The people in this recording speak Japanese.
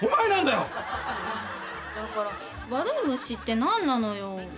だから悪い虫って何なのよ？